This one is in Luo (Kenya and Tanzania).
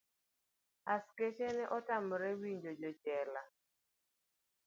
askeche ne otamre winjo jojela.